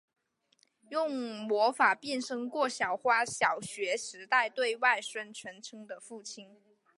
用魔法变身过小花小学时代对外宣称的父亲。